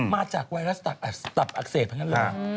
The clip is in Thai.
มาจากไวรัสตับอักเสบทั้งนั้นเลย